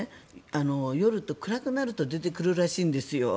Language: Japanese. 夜、暗くなると出てくるらしいんですよ。